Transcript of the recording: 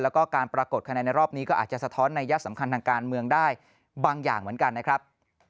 แล้วก็การปรากฏคะแนนในรอบนี้ก็อาจจะสะท้อนนัยยะสำคัญทางการเมืองได้บางอย่างเหมือนกันนะครับ